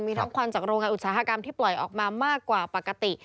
มีทั้งควันจากโรงงานอุตสาหกรรมที่ปล่อยออกมามากกว่าปกติ